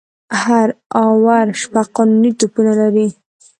هر آور شپږ قانوني توپونه لري.